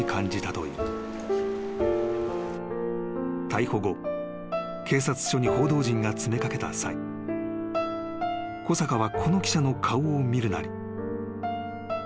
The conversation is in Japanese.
［逮捕後警察署に報道陣が詰め掛けた際小坂はこの記者の顔を見るなり急に涙ぐんだ］